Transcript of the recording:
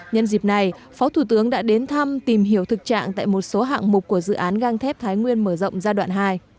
nhân dịp này phó thủ tướng đã đến thăm tìm hiểu thực trạng tại một số hạng mục của dự án gang thép thái nguyên mở rộng giai đoạn hai